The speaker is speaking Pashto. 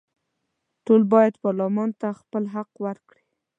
ټول باید پارلمان ته خپل حق ورکړي.